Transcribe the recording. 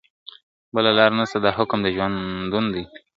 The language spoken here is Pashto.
بله لار نسته دا حکم د ژوندون دی ..